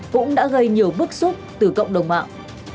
cũng đã gây nhiều bức xúc từ cộng đồng mạng